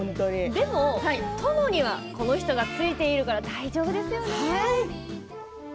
でも、殿にはこの人がついているから大丈夫ですよね。